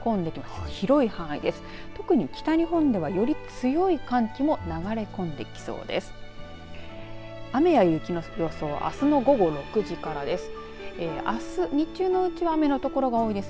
特に北日本ではより強い寒気も流れ込んできそうです。